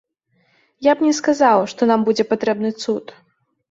Я б не сказаў, што нам будзе патрэбны цуд.